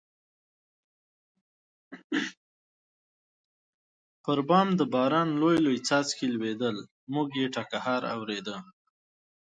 پر بام د باران لوی لوی څاڅکي لوېدل، موږ یې ټکهار اورېده.